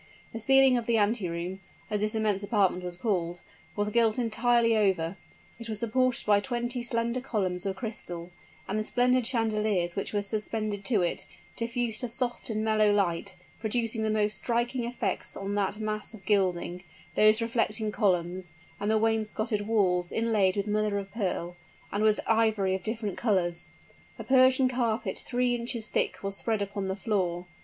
The ceiling of the anteroom; as this immense apartment was called, was gilt entirely over; it was supported by twenty slender columns of crystal; and the splendid chandeliers which were suspended to it, diffused a soft and mellow light, producing the most striking effects on that mass of gilding, those reflecting columns, and the wainscoted walls inlaid with mother of pearl, and with ivory of different colors. A Persian carpet three inches thick was spread upon the floor.